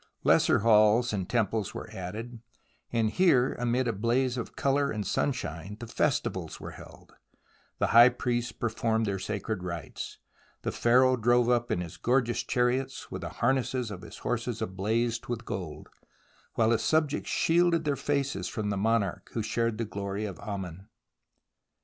Lesser halls and temples were added, and here, amid a blaze of colour and sun shine, the festivals were held, the high priests per formed their sacred rites, the Pharaoh drove up in his gorgeous chariots with the harness of his horses ablaze with gold, while his subjects shielded their faces from the monarch who shared the glory of 71 72 THE ROMANCE OF EXCAVATION Ammon.